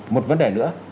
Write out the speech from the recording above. một vấn đề nữa